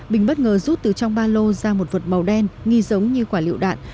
bình bất ngờ rút từ trong ba lô ra một vật màu đen nghi giống như quả liệu đạn